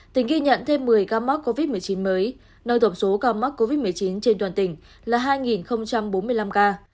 tỉnh ghi nhận thêm một mươi ca mắc covid một mươi chín mới nâng tổng số ca mắc covid một mươi chín trên toàn tỉnh là hai bốn mươi năm ca